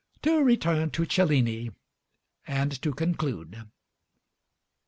To return to Cellini, and to conclude.